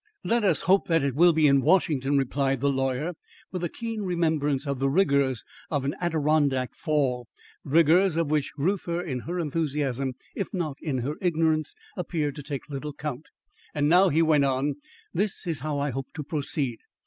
"Let us hope that it will be in Washington," replied the lawyer, with a keen remembrance of the rigours of an Adirondack fall rigours of which Reuther in her enthusiasm, if not in her ignorance, appeared to take little count. "And now," he went on, "this is how I hope to proceed.